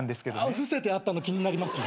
伏せてあったの気になりますね。